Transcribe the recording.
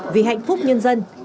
vì hạnh phúc nhân dân